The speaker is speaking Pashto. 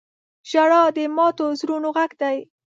• ژړا د ماتو زړونو غږ دی.